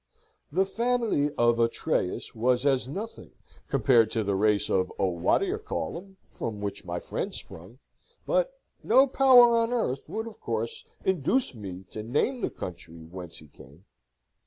The family of Atreus was as nothing compared to the race of O'What d'ye call 'em, from which my friend sprung; but no power on earth would, of course, induce me to name the country whence he came.